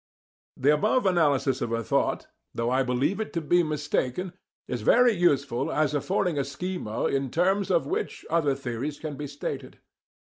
The above analysis of a thought, though I believe it to be mistaken, is very useful as affording a schema in terms of which other theories can be stated.